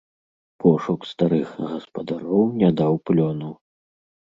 Пошук старых гаспадароў не даў плёну.